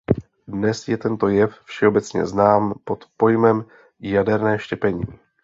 Dnes je tento jev všeobecně znám pod pojmem jaderné štěpení.